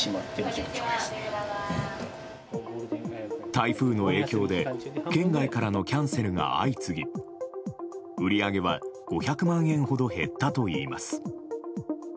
台風の影響で県外からのキャンセルが相次ぎ売り上げは５００万円ほど減ったといいます。